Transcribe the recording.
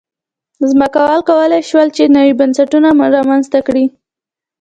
ځمکوالو کولای شول چې نوي بنسټونه رامنځته کړي وای.